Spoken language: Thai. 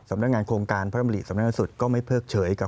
ขอมอบจากท่านรองเลยนะครับขอมอบจากท่านรองเลยนะครับขอมอบจากท่านรองเลยนะครับ